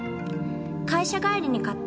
「会社帰りに買って」。